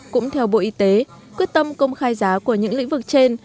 cũng theo bộ y tế quyết tâm công khai giá của những lĩnh vực trên